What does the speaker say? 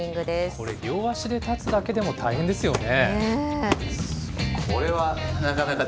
これ、両足で立つだけでも大変ですよね。